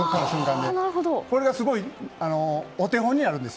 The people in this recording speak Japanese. これが、すごいお手本になるんです。